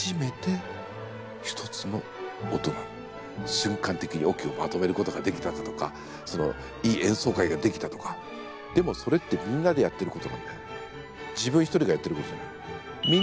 瞬間的にオケをまとめることができたとかいい演奏会ができたとかでもそれってみんなでやっていることなんだよ。